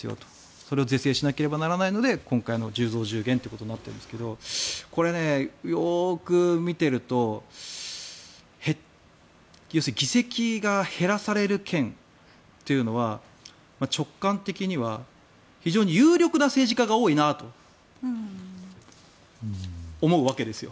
それを是正しないといけないので今回の１０増１０減となっているんですがこれをよく見ていると議席が減らされる県というのは直感的には非常に有力な政治家が多いなと思うわけですよ。